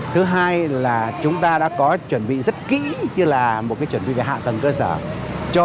thứ hai là chúng ta đã có chuẩn bị rất kỹ như là một chuẩn bị về hạ tầng cơ sở